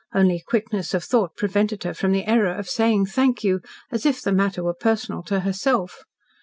Only quickness of thought prevented her from the error of saying, "Thank you," as if the matter were personal to herself.